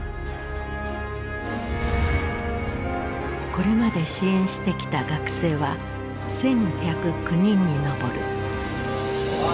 これまで支援してきた学生は１，１０９人に上る。